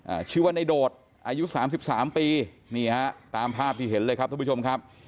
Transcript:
อ่าชื่อว่าในโดดอายุสามสิบสามปีนี่ฮะตามภาพที่เห็นเลยครับทุกผู้ชมครับ